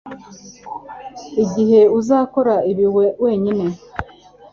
igihe uzakora ibi wenyine